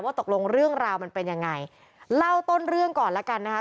ตกลงเรื่องราวมันเป็นยังไงเล่าต้นเรื่องก่อนแล้วกันนะคะ